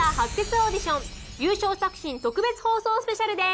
オーディション優勝作品特別放送スペシャルです！